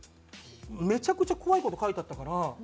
めちゃくちゃ怖い事書いてあったから。